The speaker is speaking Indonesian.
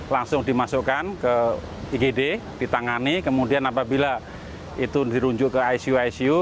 langsung dimasukkan ke igd ditangani kemudian apabila itu dirujuk ke icu icu